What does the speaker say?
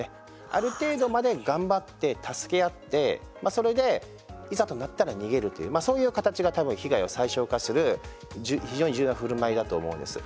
ある程度まで頑張って助け合ってそれで、いざとなったら逃げるという、そういう形が多分、被害を最小化する非常に重要なふるまいだと思うんです。